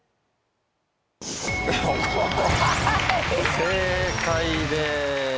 正解です。